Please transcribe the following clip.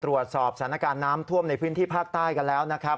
ตรวจสอบสถานการณ์น้ำท่วมในพื้นที่ภาคใต้กันแล้วนะครับ